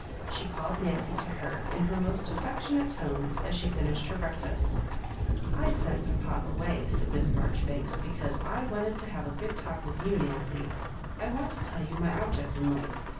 She called Nancy to her in her most affectionate tones as she finished her breakfast. *'I sent papa away," said Miss Marjoribanka, "because I wanted to have a good talk with you, Nancy. I want to tell you my object in life.